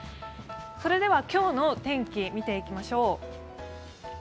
それでは今日の天気、見ていきましょう。